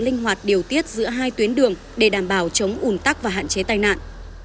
linh hoạt điều tiết giữa hai tuyến đường để đảm bảo chống ủn tắc và hạn chế tai nạn